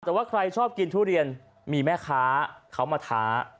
แต่ว่าใครชอบกินทุเรียนมีแม่ค้าเขามาท้า